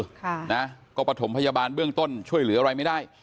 ค่ะนะก็ประถมพยาบาลเบื้องต้นช่วยเหลืออะไรไม่ได้